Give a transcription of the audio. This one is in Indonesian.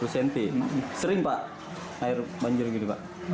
sering pak air banjir gini pak